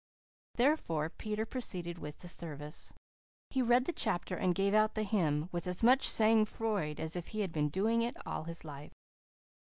Therefore Peter proceeded with the service. He read the chapter and gave out the hymn with as much SANG FROID as if he had been doing it all his life.